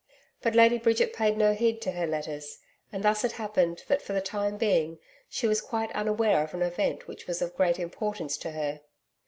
But Lady Bridget paid no heed to her letters, and thus it happened that for the time being, she was quite unaware of an event which was of great importance to her.